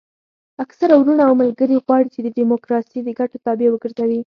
اکثره وروڼه او ملګري غواړي چې ډیموکراسي د ګټو تابع وګرځوي.